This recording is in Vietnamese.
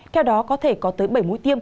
theo đó có thể có tới bảy mũi tiêm